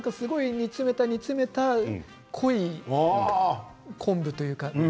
煮詰めた煮詰めた昆布というか。